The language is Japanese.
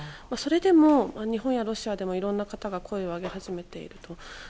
それでも日本やロシアでも声を上げ始めていると。